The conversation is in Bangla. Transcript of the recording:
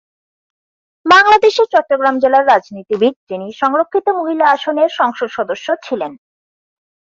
বাংলাদেশের চট্টগ্রাম জেলার রাজনীতিবিদ যিনি সংরক্ষিত মহিলা আসনের সংসদ সদস্য ছিলেন।